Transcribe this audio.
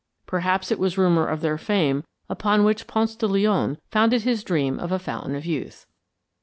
Perhaps it was rumor of their fame upon which Ponce de Leon founded his dream of a Fountain of Youth.